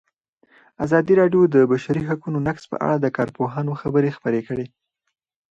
ازادي راډیو د د بشري حقونو نقض په اړه د کارپوهانو خبرې خپرې کړي.